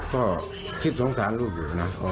ก็คิดสงสารลูกอยู่นะ